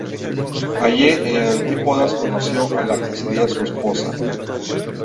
Allí en antípodas conoció a la que sería su esposa.